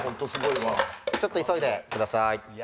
ちょっと急いでください。